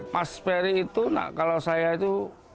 pas perry itu kalau saya itu